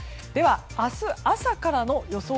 明日朝からの予想